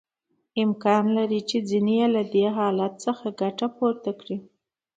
امکان لري چې ځینې یې له دې حالت څخه ګټه پورته کړي